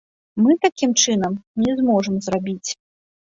Мы такім чынам не зможам зрабіць.